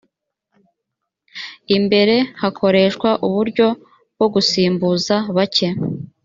imbere hakoreshwa uburyo bwo gusimbuza bake.